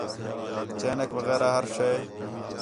چینک وغیرہ ہر شے